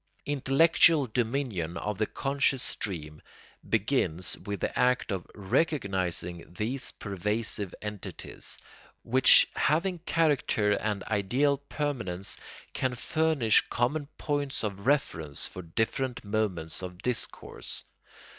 Intellectual dominion of the conscious stream begins with the act of recognising these pervasive entities, which having character and ideal permanence can furnish common points of reference for different moments of discourse.